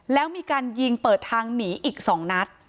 แล้วมีการยิงเปิดทางหนีอีก๒นัด